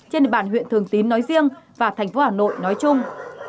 trên địa bàn huyện thường tín nói riêng và thành phố hà nội nói chung